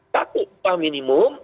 satu paham minimum